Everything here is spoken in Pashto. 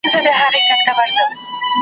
کوچ یې کړی دی یارانو مېني توري د رندانو .